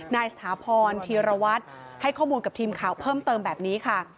สถาพรธีรวัตรให้ข้อมูลกับทีมข่าวเพิ่มเติมแบบนี้ค่ะ